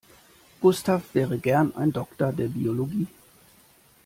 Gustav wäre gern ein Doktor der Biologie.